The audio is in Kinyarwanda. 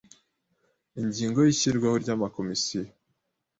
Ingingo ya Ishyirwaho ry amakomisiyo